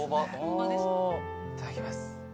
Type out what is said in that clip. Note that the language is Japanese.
いただきます。